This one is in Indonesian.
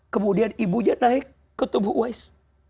kemudian ibunya naik ke tubuh uis